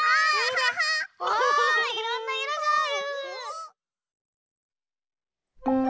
わあいろんないろがある！